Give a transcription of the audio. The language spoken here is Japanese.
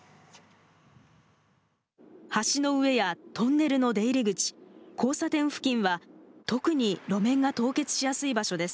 橋の上やトンネルの出入り口交差点付近は特に路面が凍結しやすい場所です。